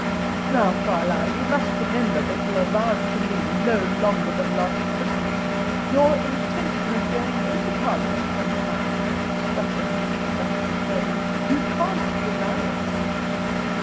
"Now, Carlyle, you must remember that you avowed to me, no longer than last Christmas, your intention of going into parliament some time," struck in Mr. Justice Herbert. "You can't deny it."